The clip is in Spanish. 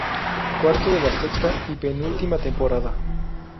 Cuarto de la sexta y penúltima temporada.